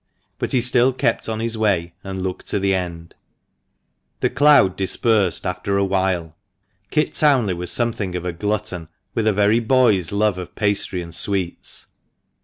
But he still kept on his way, and looked to the end The cloud dispersed after a while. Kit Townley was something of a glutton, with a very boy's love of pastry and sweets.